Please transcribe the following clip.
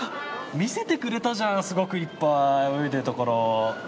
見せてくれたじゃんすごくいっぱい泳いでるところ。